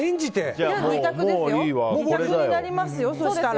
２択になりますよ、そしたら。